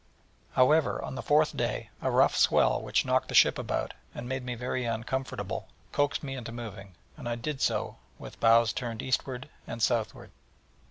However, on the fourth day, a rough swell which knocked the ship about, and made me very uncomfortable, coaxed me into moving; and I did so with bows turned eastward and southward.